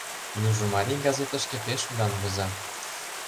Южо марий газетышке пеш удан воза.